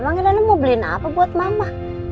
emangnya rena mau beliin apa buat mama